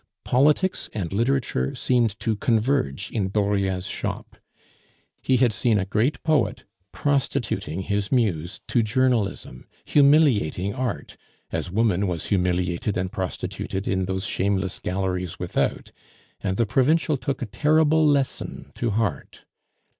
Politics and literature seemed to converge in Dauriat's shop. He had seen a great poet prostituting his muse to journalism, humiliating Art, as woman was humiliated and prostituted in those shameless galleries without, and the provincial took a terrible lesson to heart.